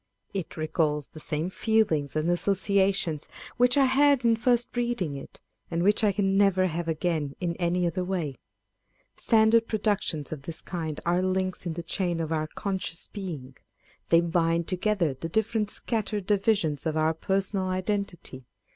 It recalls the same feelings and associations which I had in first reading it, and which I can never have again in any other way. Standard produc tions of this kind are links in the chain of our conscious being. They bind together the different scattered divisions of our personal identity.